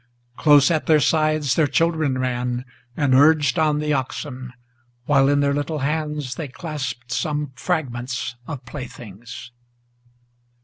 Close at their sides their children ran, and urged on the oxen, While in their little hands they clasped some fragments of playthings.